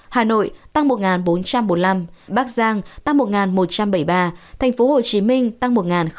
hà nội tăng một bốn trăm bốn mươi năm bắc giang tăng một một trăm bảy mươi ba tp hcm tăng một một mươi năm